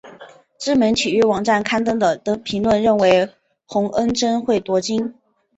知名体育网站刊登的评论认为洪恩贞会夺金。